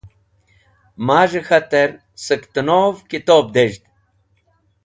Maz̃hẽ k̃hatẽr sẽktẽnov kitob dez̃hd.